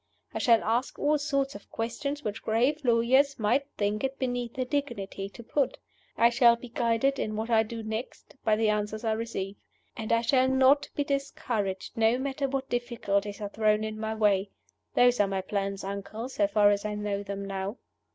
I shall ask all sorts of questions which grave lawyers might think it beneath their dignity to put. I shall be guided, in what I do next, by the answers I receive. And I shall not be discouraged, no matter what difficulties are thrown in my way. Those are my plans, uncle, so far as I know them now."